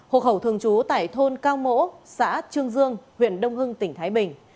hộ khẩu thường trú tại thôn cao mỗ xã trương dương huyện đông hưng tỉnh thái bình